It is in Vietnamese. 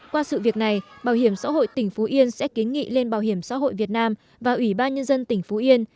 qua sự việc này bảo hiểm xã hội tỉnh phú yên sẽ kiến nghị lên bảo hiểm xã hội việt nam và ủy ban nhân dân tỉnh phú yên